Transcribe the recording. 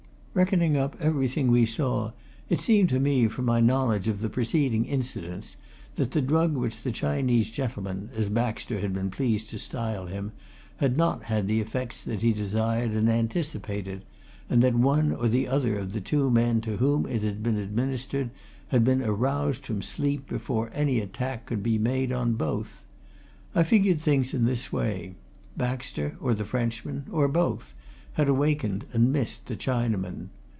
Reckoning up everything we saw, it seemed to me, from my knowledge of the preceding incidents, that the drug which the Chinese gentleman, as Baxter had been pleased to style him, had not had the effects that he desired and anticipated, and that one or other of the two men to whom it had been administered had been aroused from sleep before any attack could be made on both. I figured things in this way Baxter, or the Frenchman, or both, had awakened and missed the Chinaman.